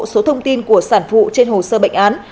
số thông tin của sản phụ trên hồ sơ bệnh án